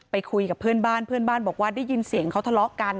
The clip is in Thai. ไปคุยกับเพื่อนบ้านเพื่อนบ้านบอกว่าได้ยินเสียงเขาทะเลาะกัน